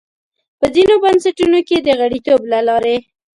په ځینو بنسټونو کې د غړیتوب له لارې.